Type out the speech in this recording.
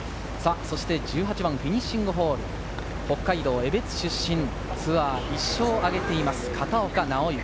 そして１８番フィニッシングホール、北海道江別市出身、ツアー１勝を挙げています、片岡尚之。